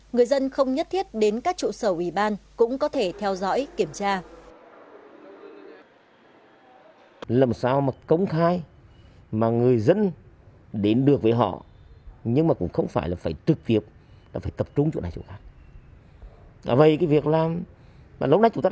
người dân không nhất thiết đến các trụ sở ủy ban cũng có thể theo dõi kiểm tra